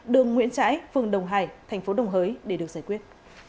đường nguyễn trãi phường đồng hải thành phố đồng hới để được giải quyết